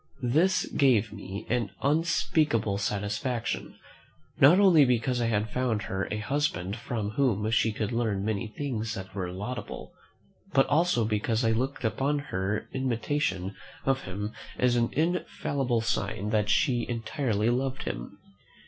This gave me an unspeakable satisfaction, not only because I had found her a husband from whom she could learn many things that were laudable, but also because I looked upon her imitation of him as an infallible sign that she entirely loved him.